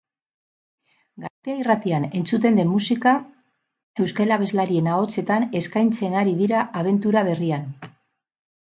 Gaztea irratian entzuten den musika euskal abeslarien ahotsetan eskaintzen ari dira abentura berrian.